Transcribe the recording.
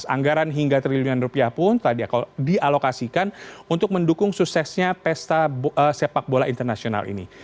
anggaran hingga triliunan rupiah pun telah dialokasikan untuk mendukung suksesnya pesta sepak bola internasional ini